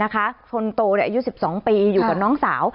คนโตอายุ๑๒ปีอยู่กับน้องสาว